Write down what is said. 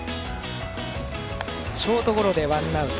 ショートゴロでワンアウト。